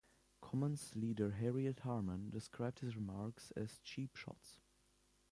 Commons Leader Harriet Harman described his remarks as "cheap shots".